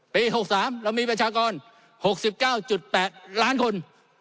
๖๓เรามีประชากร๖๙๘ล้านคน